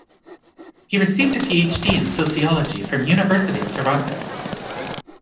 He received a Ph.D in sociology from University of Toronto.